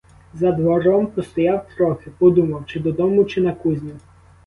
За двором постояв трохи, подумав: чи додому, чи на кузню?